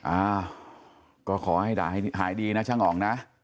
อ้าวก็ขอให้หายดีนะช่างอ๋องนะ